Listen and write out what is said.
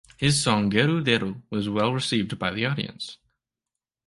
His song "Daru Daru" was well received by the audience.